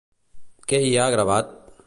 Què hi ha gravat?